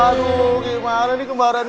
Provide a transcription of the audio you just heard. aduh gimana nih kemarin